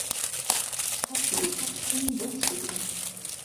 هەتیو هەستن دەس بگرن